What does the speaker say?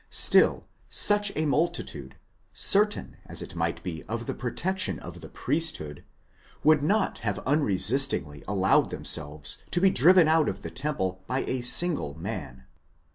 still, such a multitude, certain as it might be of the protection of the priesthood, would not have unresistingly allowed them selves to be driven out of the temple by asingle man.